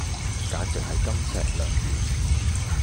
簡直係金石良言